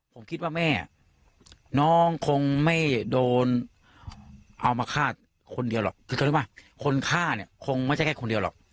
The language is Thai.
ผมคิดว่าแม่น้องคงไม่โดนเอามาฆ่าคนเดียวหรอกคือเขารู้ป่ะคนฆ่าเนี่ยคงไม่ใช่แค่คนเดียวหรอก